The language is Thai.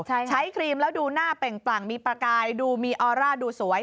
ใช้ครีมแล้วดูหน้าเปล่งปลั่งมีประกายดูมีออร่าดูสวย